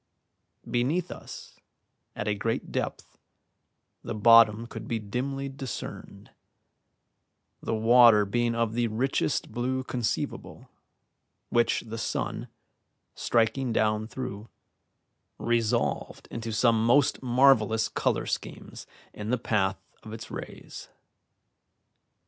Beneath us, at a great depth, the bottom could be dimly discerned, the water being of the richest blue conceivable, which the sun, striking down through, resolved into some most marvellous colour schemes in the path of its rays.